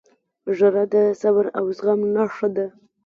• ژړا د صبر او زغم نښه ده.